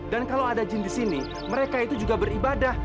dan kalau ada jin di sini mereka itu juga beribadah